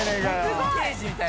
すごい！